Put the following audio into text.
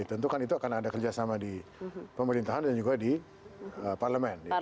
tentu kan itu akan ada kerjasama di pemerintahan dan juga di parlemen